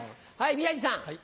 宮治さん。